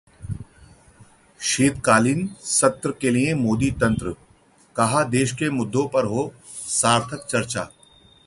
शीतकालीन सत्र के लिए मोदी मंत्र, कहा- देश के मुद्दों पर हो सार्थक चर्चा